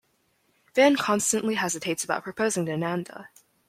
Van constantly hesitates about proposing to Nanda.